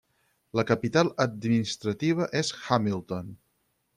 La capital administrativa és Hamilton.